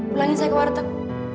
pulangin saya ke warteg